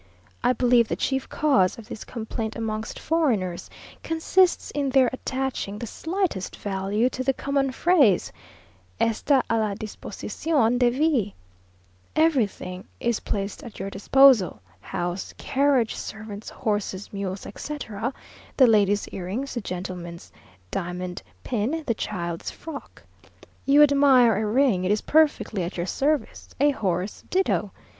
I believe the chief cause of this complaint amongst foreigners consists in their attaching the slightest value to the common phrase, "Está a la disposición de V." Everything is placed at your disposal house, carriage, servants, horses, mules, etc. the lady's earrings, the gentleman's diamond pin, the child's frock. You admire a ring it is perfectly at your service; a horse ditto.